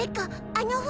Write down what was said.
あの船。